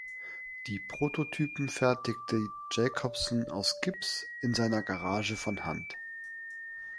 Die Prototypen fertigte Jacobsen aus Gips in seiner Garage von Hand.